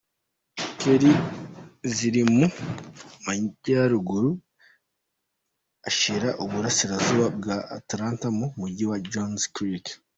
Kelly ziri mu Majyaruguru ashyira Uburasirazuba bwa Atlanta mu Mujyi wa Johns Creek.